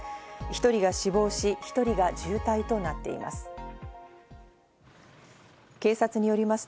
１人が死亡し１人が重体となっています。